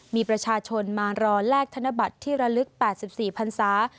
มีประชาชนมารอแลกธนบัตรที่ระลึก๘๔พันศา